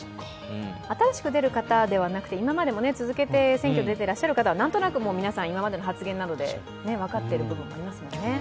新しく出る方ではなくて今まで続けて選挙に出ている方は皆さん今までの発言などで分かっている部分がありますもんね。